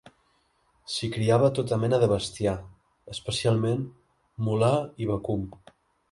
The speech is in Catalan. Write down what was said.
S'hi criava tota mena de bestiar, especialment mular i vacum.